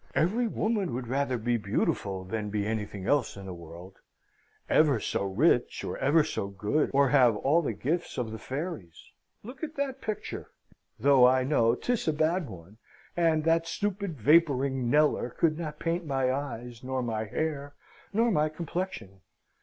Every woman would rather be beautiful than be anything else in the world ever so rich, or ever so good, or have all the gifts of the fairies! Look at that picture, though I know 'tis but a bad one, and that stupid vapouring Kneller could not paint my eyes, nor my hair, nor my complexion.